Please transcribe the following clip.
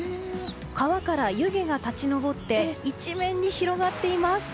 川から湯気が立ち上って一面に広がっています。